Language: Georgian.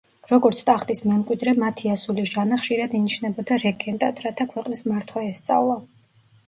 როგორც ტახტის მემკვიდრე, მათი ასული ჟანა ხშირად ინიშნებოდა რეგენტად, რათა ქვეყნის მართვა ესწავლა.